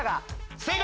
正解！